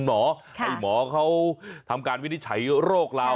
หมอให้หมอเขาทำการวินิจฉัยโรคเรา